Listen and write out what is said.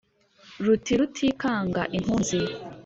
Ruti rutikanga impunzi